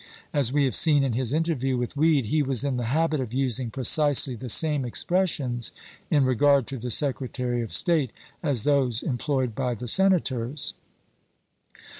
As we have seen in his interview with Weed, he was in the habit of using precisely the same ex pressions in regard to the Secretary of State as those employed by the Senators.